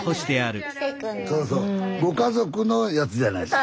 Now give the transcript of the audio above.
ご家族のやつじゃないです。